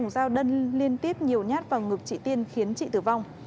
giao đơn liên tiếp nhiều nhát vào ngực chị tiên khiến chị tử vong